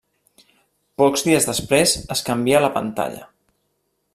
Pocs dies després es canvia la pantalla.